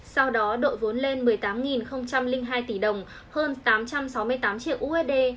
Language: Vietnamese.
sau đó đội vốn lên một mươi tám hai tỷ đồng hơn tám trăm sáu mươi tám triệu usd